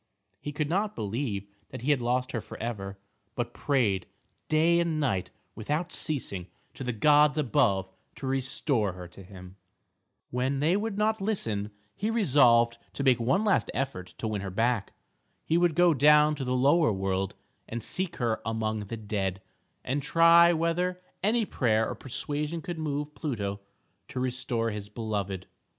He could not believe that he had lost her for ever, but prayed day and night without ceasing to the gods above to restore her to him. When they would not listen, he resolved to make one last effort to win her back. He would go down to the Lower World and seek her among the dead, and try whether any prayer or persuasion could move Pluto to restore his beloved.